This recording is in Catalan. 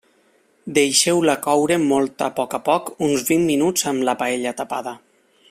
Deixeu-la coure molt a poc a poc uns vint minuts amb la paella tapada.